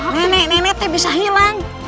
nenek neneknya bisa hilang